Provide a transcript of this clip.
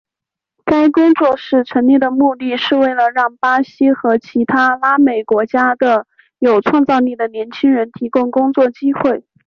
该工作室成立的目的是为了让巴西和其他拉美国家的有创造力的年轻人提供工作机会。